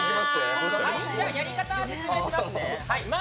やり方を説明しますね。